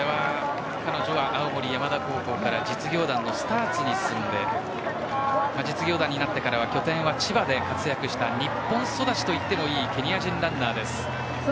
青森山田高校から実業団のスターツに進んで拠点は千葉で活躍した日本育ちといってもいいケニア人ランナーです。